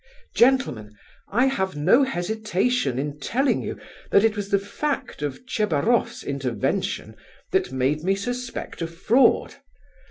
Gentlemen, I have no hesitation in telling you that it was the fact of Tchebaroff's intervention that made me suspect a fraud.